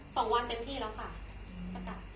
สองวันเต็มที่แล้วค่ะสกัด